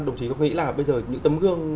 đồng chí có nghĩ là bây giờ những tấm gương